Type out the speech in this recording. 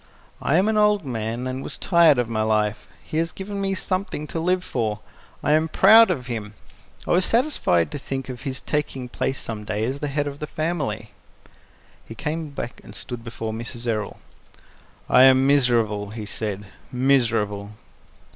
I am an old man, and was tired of my life. He has given me something to live for. I am proud of him. I was satisfied to think of his taking his place some day as the head of the family." He came back and stood before Mrs. Errol. "I am miserable," he said. "Miserable!"